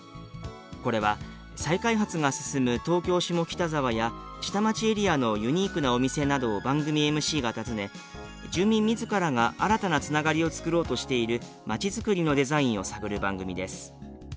これは再開発が進む東京・下北沢や下町エリアのユニークなお店などを番組ＭＣが訪ね住民自らが新たなつながりを作ろうとしている街づくりのデザインを探る番組です。